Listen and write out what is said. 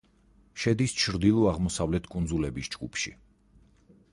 შედის ჩრდილო-აღმოსავლეთ კუნძლების ჯგუფში.